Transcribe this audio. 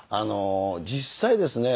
実際ですね